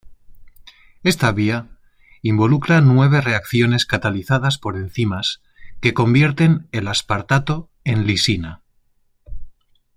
Esta vía involucra nueve reacciones catalizadas por enzimas que convierten el aspartato en lisina.